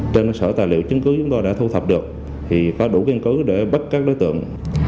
trên sở tài liệu chứng cứ chúng tôi đã thu thập được có đủ kiên cứ để bắt các đối tượng